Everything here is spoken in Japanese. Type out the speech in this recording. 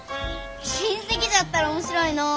親戚じゃったら面白いのう！